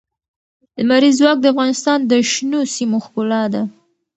لمریز ځواک د افغانستان د شنو سیمو ښکلا ده.